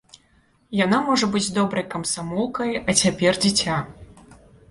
Яна можа быць добрай камсамолкай, а цяпер дзіця.